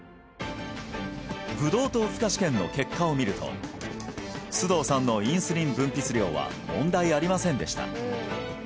ブドウ糖負荷試験の結果を見ると須藤さんのインスリン分泌量は問題ありませんでした